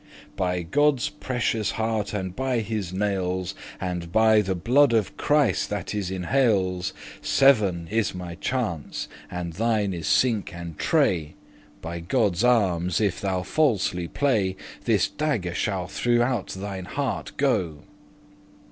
"By Godde's precious heart, and by his nails, <24> And by the blood of Christ, that is in Hailes, <25> Seven is my chance, and thine is cinque and trey: By Godde's armes, if thou falsely play, This dagger shall throughout thine hearte go."